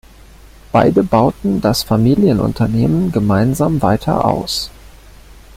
Beide bauten das Familienunternehmen gemeinsam weiter aus.